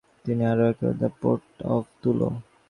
তিনি আরো এঁকেছিলেন দ্য পোর্ট অব তুলোঁ।